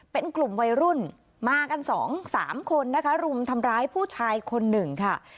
เป็นกลุ่มวัยรุ่นมากันสองสามคนนะคะรุมทำร้ายผู้ชายคนหนึ่งค่ะ